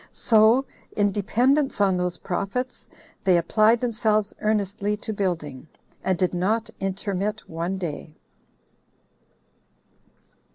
So, in dependence on those prophets, they applied themselves earnestly to building, and did not intermit one day. 6.